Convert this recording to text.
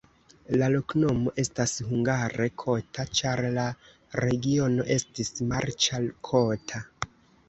La loknomo estas hungare kota, ĉar la regiono estis marĉa, kota.